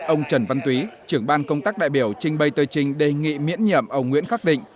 ông trần văn túy trưởng ban công tác đại biểu trình bày tờ trình đề nghị miễn nhiệm ông nguyễn khắc định